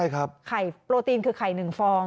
ไข่โปรตีนคือไข่๑ฟอง